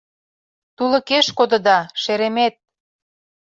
Тулыкеш кодыда, шеремет!